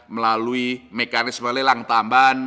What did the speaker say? melalui mekanisme lelang tambahan